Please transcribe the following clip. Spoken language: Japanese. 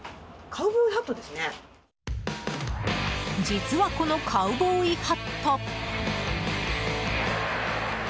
実は、このカウボーイハット。